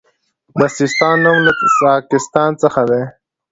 د سیستان نوم له ساکستان څخه دی